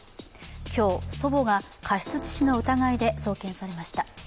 今日、祖母が過失致死の疑いで送検されました。